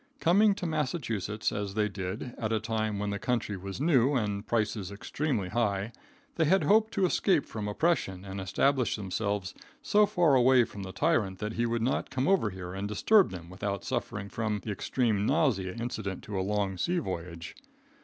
Coming to Massachusetts as they did, at a time when the country was new and prices extremely high, they had hoped to escape from oppression and establish themselves so far away from the tyrant that he could not come over here and disturb them without suffering from the extreme nausea incident to a long sea voyage.